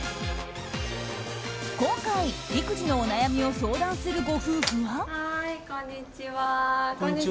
今回、育児のお悩みを相談するご夫婦は。